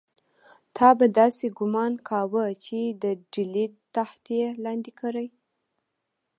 تا به داسې ګومان کاوه چې د ډهلي تخت یې لاندې کړی.